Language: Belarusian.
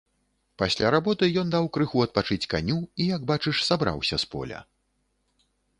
Пасля работы ён даў крыху адпачыць каню і як бачыш сабраўся з поля.